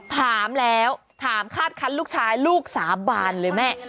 ถามแล้วถามคาดคันลูกชายลูกสาบานเลยแม่